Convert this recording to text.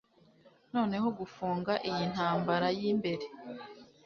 noneho gufunga iyi ntambara y'imbere